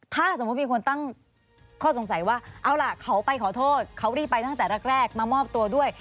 ถ้าสมมุติมีคนตั้งข้อสงสัยว่าเอาล่ะเขาไปขอโทษเขารีบไปตั้งแต่แรกมามอบตัวด้วย